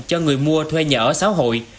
cho người mua thuê nhà ở xã hội